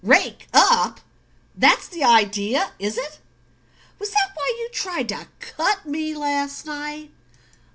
"Rake up? That's the idea, is it? Was that why you tried to cut me last night?"